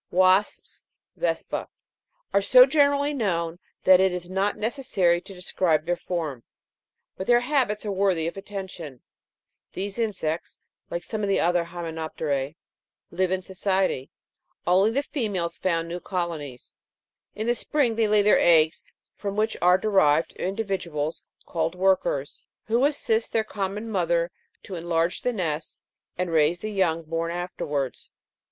6. Wasps Vespa are so generally known that it is not neces sary to describe their form ; but their habits are worthy of atten tion. These insects, like some other hymenop'terse, live in society. Only the females found new colonies ; in the spring they lay their eggs, from which are derived individuals called workers, who assist their common mother to enlarge the nest and raise the young born afterwards.